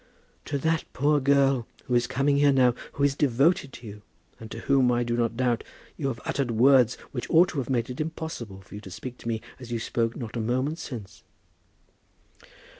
"To that poor girl who is coming here now, who is devoted to you, and to whom, I do not doubt, you have uttered words which ought to have made it impossible for you to speak to me as you spoke not a moment since."